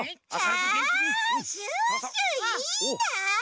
あシュッシュいいな！